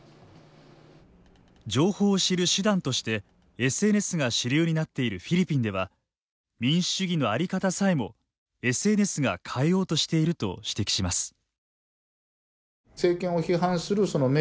情報を知る手段として、ＳＮＳが主流になっているフィリピンでは民主主義のあり方さえもＳＮＳが変えようとしていると指摘します。